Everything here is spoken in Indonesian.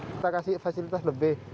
kita kasih fasilitas lebih